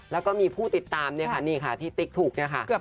แล้วก็มีผู้ติดตามเนี่ยค่ะนี่ค่ะที่ติ๊กถูกเนี่ยค่ะ